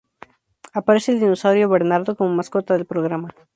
Aparece el "Dinosaurio Bernardo" como mascota del programa.